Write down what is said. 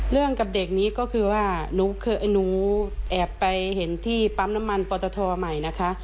เรื่องกับเด็กนี้ก็คือว่าหนูแอบไปเห็นที่ปั๊มน้ำมันปอตทใหม่นะคะ